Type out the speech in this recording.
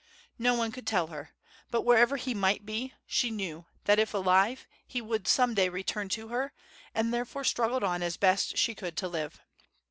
No one could tell her; but, wherever he might be, she knew that, if alive, he would some day return to her, and therefore struggled on as best she could to live.